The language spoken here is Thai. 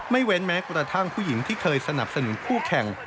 เว้นแม้กระทั่งผู้หญิงที่เคยสนับสนุนคู่แข่ง